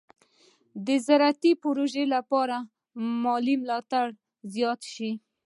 د زراعتي پروژو لپاره مالي ملاتړ زیات شي.